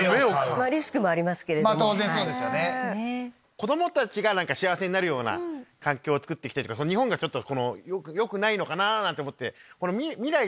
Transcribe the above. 子供たちが幸せになるような環境をつくっていきたいとか日本がよくないのかなぁなんて思って。